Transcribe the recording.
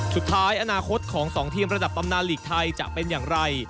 สุดท้ายอนาคตของ๒ทีมระดับตำนานหลีกไทยจะเป็นอย่างไร